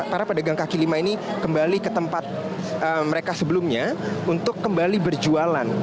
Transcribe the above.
para pedagang kaki lima ini kembali ke tempat mereka sebelumnya untuk kembali berjualan